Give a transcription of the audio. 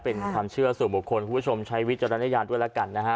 เป็นความเชื่อสู่บุคคลคุณผู้ชมใช้วิจารณญาณด้วยแล้วกันนะฮะ